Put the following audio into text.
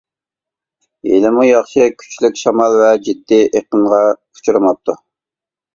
ھېلىمۇ ياخشى كۈچلۈك شامال ۋە جىددىي ئېقىنغا ئۇچرىماپتۇ.